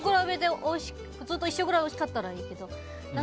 普通と一緒ぐらいおいしかったらいいけど。